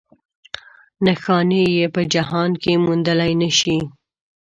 نښانې یې په جهان کې موندلی نه شي.